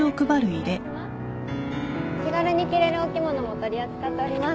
気軽に着れるお着物も取り扱っております。